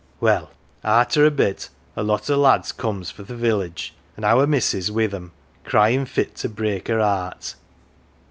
1 "Well, arter a bit, a lot o 1 lads comes fro 1 th 1 village, an 1 our missus wi 1 them, cryin 1 fit to break her ""cart.